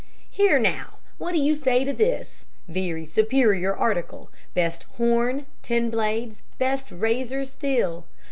"Here, now, what do you say to this? Very superior article. Best horn, ten blades, best razor steel.